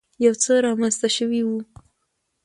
يو څه رامخته شوی و.